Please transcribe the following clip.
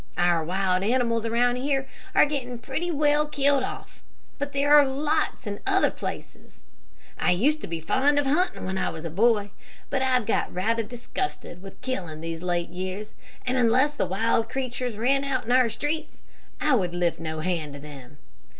Our wild animals around here are getting pretty well killed off, but there are lots in other places. I used to be fond of hunting when I was a boy; but I have got rather disgusted with killing these late years, and unless the wild creatures ran in our streets, I would lift no hand to them.